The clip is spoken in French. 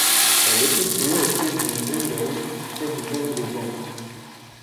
Elle est située au pied du mont Rundle, près du bourg de Banff.